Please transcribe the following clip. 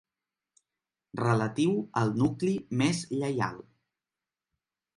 Relatiu al nucli més lleial.